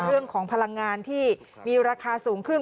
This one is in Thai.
เรื่องของพลังงานที่มีราคาสูงขึ้น